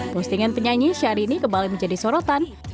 postingan penyanyi syahrini kembali menjadi sorotan